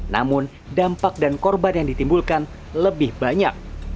namun dampak dan korban yang ditimbulkan lebih banyak